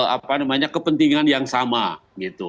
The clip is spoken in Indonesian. apa namanya kepentingan yang sama gitu